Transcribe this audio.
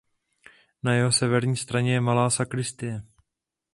Na jeho severní straně je malá sakristie.